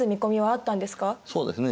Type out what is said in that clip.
そうですね